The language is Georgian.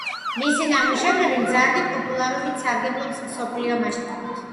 მისი ნამუშევრები მზარდი პოპულარობით სარგებლობს მსოფლიო მასშტაბით.